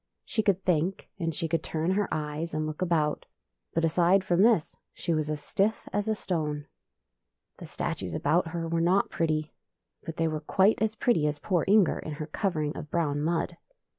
She could think, and she could turn her eyes and look about, but aside from this she was as stiff as a stone. The statues about her were not pretty, but they were quite as pretty as poor Inger in her covering of brown mud.